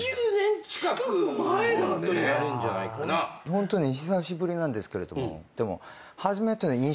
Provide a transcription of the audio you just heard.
ホントに久しぶりなんですけれどもでも。